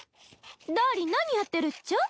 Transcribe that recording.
ダーリン何やってるっちゃ？